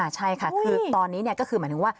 ใช่ค่ะคือตอนนี้ก็คือหมายถึงว่า